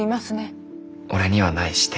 「俺にはない視点」。